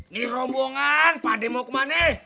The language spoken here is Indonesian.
nih rombongan pade mau kemane